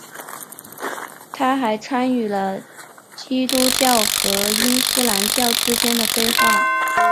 他还参与了基督教和伊斯兰教之间的对话。